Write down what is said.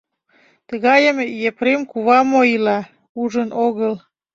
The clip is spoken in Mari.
Тыгайым Епрем кува мо ила, ужын огыл.